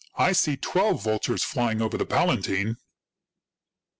I see twelve vul tures flying over the Palatine."